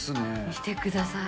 見てください。